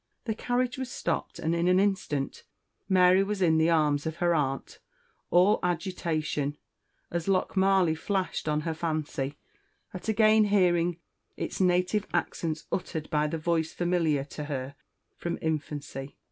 The carriage was stopped and in an instant Mary was in the arms of her aunt, all agitation, as Lochmarlie flashed on her fancy, at again hearing its native accents uttered by the voice familiar to her from infancy.